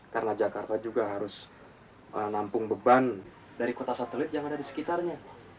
karena jakarta juga harus menampung beban dari kota satelit yang ada di sekitarnya